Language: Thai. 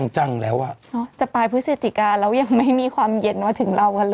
จังแล้วมาเพศไตรกาเราอย่างไม่มีความเย็นถึงเราเลย